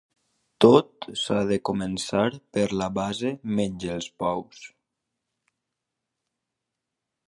Tot s'ha de començar per la base menys els pous.